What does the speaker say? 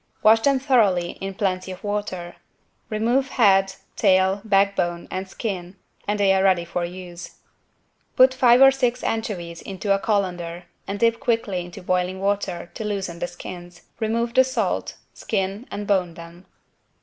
Wash them thoroughly in plenty of water. Remove head, tail, backbone and skin and they are ready for use. Put five or six anchovies into a colander and dip quickly into boiling water to loosen the skins, remove the salt, skin and bone them.